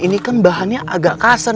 ini kan bahannya agak kasar